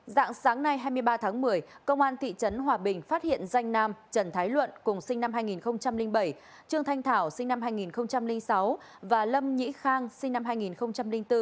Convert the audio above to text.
dạng sáng nay hai mươi ba tháng một mươi công an thị trấn hòa bình phát hiện danh nam trần thái luận cùng sinh năm hai nghìn bảy trương thanh thảo sinh năm hai nghìn sáu và lâm nhĩ khang sinh năm hai nghìn bốn